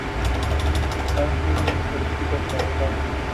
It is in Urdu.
نہ ہی ملک ترقی کر پائے گا۔